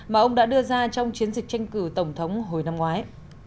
mà ông đã đưa ra trong chiến dịch tranh cử tổng thống hồi năm ngoái